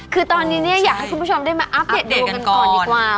คือตอนนี้เนี่ยอยากให้คุณผู้ชมได้มาอัปเดตดูกันก่อนดีกว่า